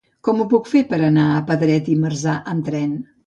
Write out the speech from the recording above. Com ho puc fer per anar a Pedret i Marzà amb tren?